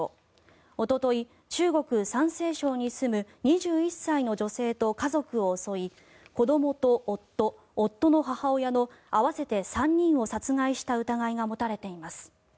おととい、中国・山西省に住む２１歳の女性と家族を襲い子どもと夫、夫の母親の合わせて３人を殺害した疑いが持たれています。